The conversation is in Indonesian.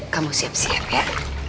kamu siap siap ya